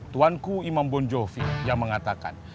tuanku imam bon jovi yang mengatakan